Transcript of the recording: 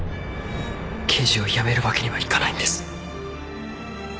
刑事を辞めるわけにはいかないんです